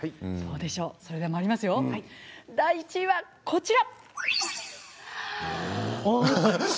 第１位はこちら。